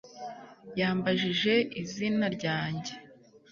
Yambajije izina ryanjye